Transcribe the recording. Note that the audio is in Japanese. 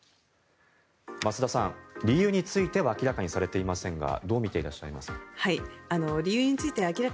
増田さん、理由については明らかにされていませんがどう見ていらっしゃいますか？